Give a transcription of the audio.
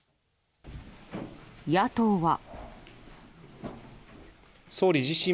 野党は。